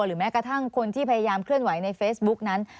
แม้กระทั่งคนที่พยายามเคลื่อนไหวในเฟซบุ๊กนั้น